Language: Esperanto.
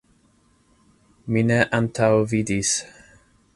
Mi ne antaŭvidis.